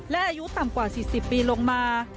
และอายุต่ำกว่า๔๐ปีลงมา